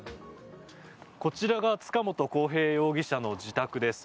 こちらが塚本晃平容疑者の自宅です。